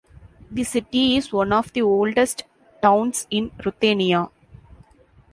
The city is one of the oldest towns in Ruthenia.